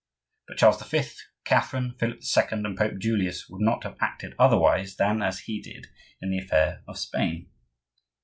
But Charles V., Catherine, Philip II., and Pope Julius would not have acted otherwise than as he did in the affair of Spain.